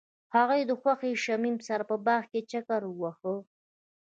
هغوی د خوښ شمیم سره په باغ کې چکر وواهه.